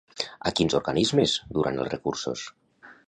A quins organismes duran els recursos?